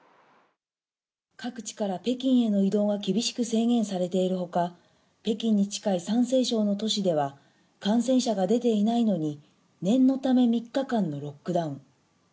各地から北京への移動が厳しく制限されているほか、北京に近い山西省の都市では感染者が出ていないのに、念のため３日間のロックダウン。